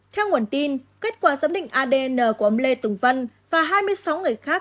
theo nguồn tin kết quả giám định adn của ông lê tùng văn và hai mươi sáu người khác